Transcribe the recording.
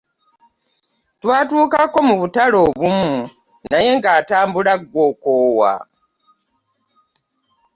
Twatuukako mu butale obumu naye ng’atambula ggwe okoowa.